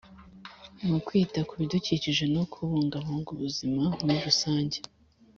mu kwita ku bidukikije no kubungabunga ubuzima muri rusange.